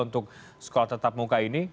untuk sekolah tetap muka ini